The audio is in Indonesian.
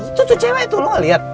itu cucu cewek tuh lu gak liat